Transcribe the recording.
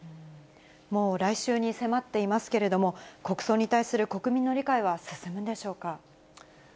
もう来週に迫っていますけれども、国葬に対する国民の理解は進むんでしょうか。